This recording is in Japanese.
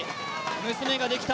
娘ができた。